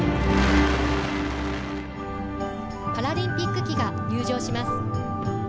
パラリンピック旗が入場します。